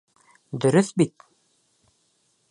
Дөрөҫ бит?